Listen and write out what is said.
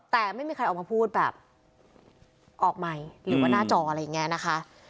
แต่ไม่มีใครออกมาพูดแบบออกใหม่หรือว่าหน้าจออะไรอย่างนี้นะคะ